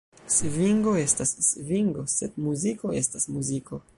Svingo estas svingo, sed muziko estas muziko!